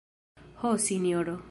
Ho, sinjoro!